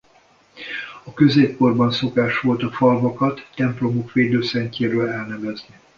A középkorban szokás volt a falvakat templomuk védőszentjéről elnevezni.